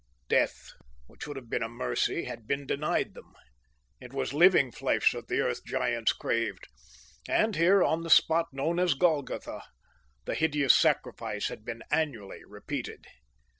Death, which would have been a mercy, had been denied them. It was living flesh that the Earth Giants craved. And here, on the spot known as Golgotha, the hideous sacrifice had been annually repeated.